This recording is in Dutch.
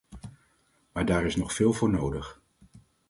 Maar daar is nog veel voor nodig.